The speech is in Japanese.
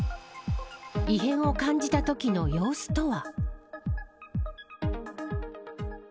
異変を感じたときの様子とは。